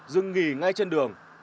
dừng nghỉ ngay trên đường